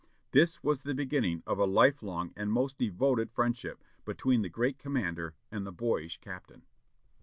This was the beginning of a life long and most devoted friendship between the great commander and the boyish captain.